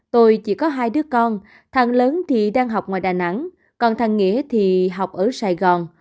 tôi chỉ có hai đứa con thằng lớn thì đang học ngoài đà nẵng còn thằng nghĩa thì học ở sài gòn